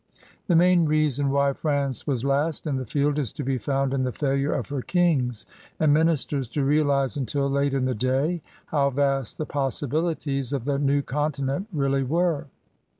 The main reason why France was last in the field is to be found in the failure of her kings and ministers to realize until late in the day how vast the possibilities of the new continent really were.